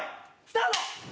スタート。